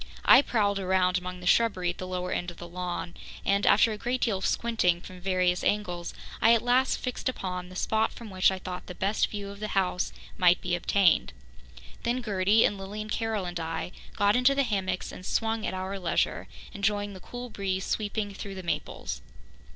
I prowled around among the shrubbery at the lower end of the lawn and, after a great deal of squinting from various angles, I at last fixed upon the spot from which I thought the best view of the house might be obtained. Then Gertie and Lilian Carroll and I got into the hammocks and swung at our leisure, enjoying the cool breeze sweeping through the maples.